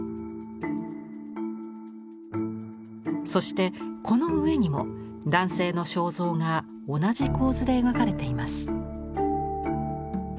そしてこの上にも男性の肖像が同じ構図で描かれています。